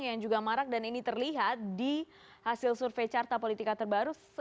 yang juga marak dan ini terlihat di hasil survei carta politika terbaru